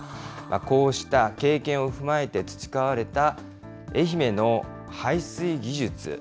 こうした経験を踏まえて培われた愛媛の排水技術。